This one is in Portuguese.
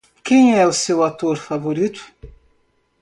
Quem é seu ator favorito?